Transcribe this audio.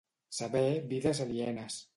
Saber vides alienes.